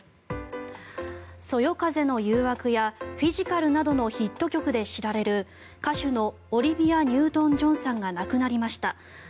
「そよ風の誘惑」や「フィジカル」などのヒット曲で知られる歌手のオリビア・ニュートン・ジョンさんが亡くなりました。